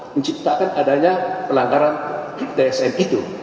menciptakan adanya pelanggaran tsm itu